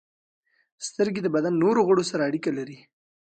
• سترګې د بدن نور غړي سره اړیکه لري.